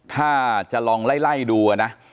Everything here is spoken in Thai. ถ้าจะลองไล่ดูนะ